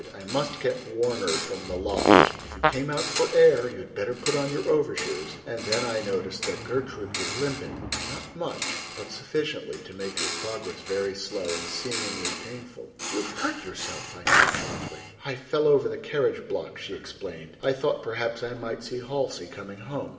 "I must get Warner from the lodge. If you came out for air, you'd better put on your overshoes." And then I noticed that Gertrude was limping—not much, but sufficiently to make her progress very slow, and seemingly painful. "You have hurt yourself," I said sharply. "I fell over the carriage block," she explained. "I thought perhaps I might see Halsey coming home.